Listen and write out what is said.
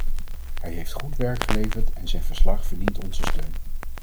Hij heeft goed werk geleverd en zijn verslag verdient onze steun.